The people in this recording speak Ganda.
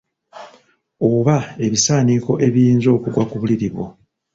Oba ebisaaniiko ebiyinza okugwa ku buliri bwo.